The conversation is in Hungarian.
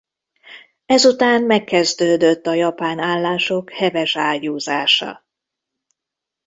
Ezután megkezdődött a japán állások heves ágyúzása.